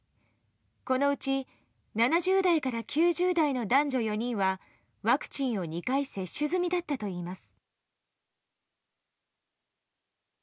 このうち７０代から９０代の男女４人はワクチンを２回接種済みだったといいます。